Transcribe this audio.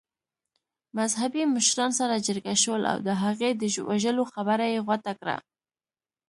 مذهبي مشران سره جرګه شول او د هغې د وژلو خبره يې غوټه کړه.